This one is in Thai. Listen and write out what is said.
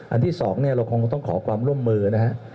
อันที่สองเนี่ยเราคงต้องขอความร่วมมือนะครับ